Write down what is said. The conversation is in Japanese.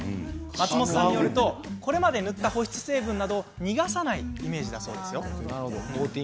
松本さんによるとこれまで塗った保湿成分などを逃がさないイメージなんだそうです。